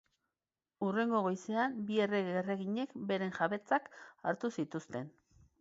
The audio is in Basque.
Hurrengo goizean, bi errege-erreginek beren jabetzak hartu zituzten.